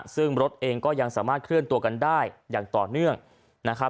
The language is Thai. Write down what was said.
ซึ่งรถเองก็ยังสามารถเคลื่อนตัวกันได้อย่างต่อเนื่องนะครับ